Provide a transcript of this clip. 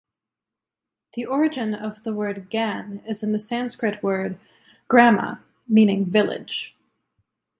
The origin of the word "Gan" is in the Sanskrit word "Grama", meaning "village".